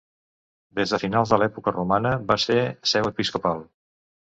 Des de finals de l'època romana, va ser seu episcopal.